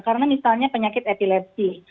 karena misalnya penyakit epilepsi